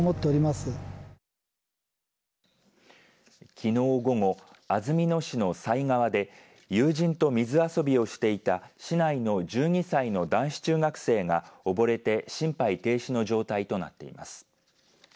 きのう午後安曇野市の犀川で友人と水遊びをしていた市内の１２歳の男子中学生が溺れて心肺停止の状態となっています。